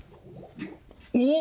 おっ！